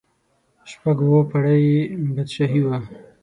شپږ اووه پړۍ یې بادشاهي وه.